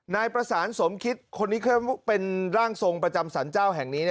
นายประสานสมคิดคนนี้เขาเป็นร่างทรงประจำสรรเจ้าแห่งนี้